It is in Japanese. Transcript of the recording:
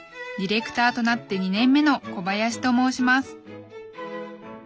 ディレクターとなって２年目の小林と申します